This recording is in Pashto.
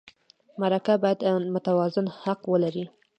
مرکه باید متوازن حق ولري.